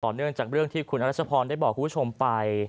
เนื่องจากเรื่องที่คุณรัชพรได้บอกคุณผู้ชมไป